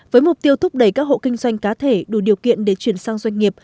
với mục tiêu thúc đẩy các hộ kinh doanh cá thể đủ điều kiện để chuyển sang doanh nghiệp